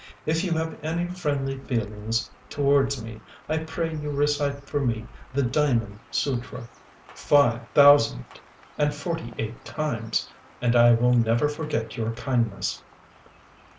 If you have any friendly feelings towards me, I pray you recite for me the Diamond sutra five thousand and forty eight times, and I will never forget your kindness."